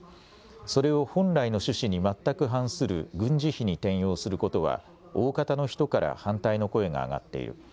それを本来の趣旨に全く反する軍事費に転用することは大方の人から反対の声が上がっている。